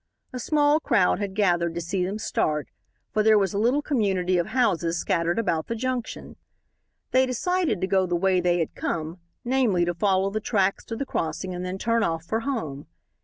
A small crowd had gathered to see them start, for there was a little community of houses scattered about the junction. They decided to go the way they had come, namely, to follow the tracks to the crossing and then turn off for home.